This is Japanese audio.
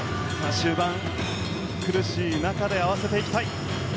終盤、苦しい中で合わせていきたい。